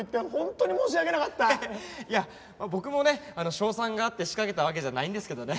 勝算があって仕掛けたわけじゃないんですけどね。